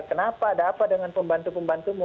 kenapa ada apa dengan pembantu pembantumu